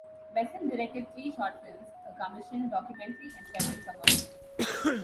Besson directed three short films, a commissioned documentary, and several commercials.